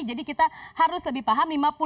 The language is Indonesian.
jadi kita harus lebih paham